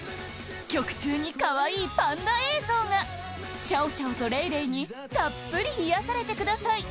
曲中に可愛いパンダ映像がシャオシャオとレイレイにたっぷり癒やされてください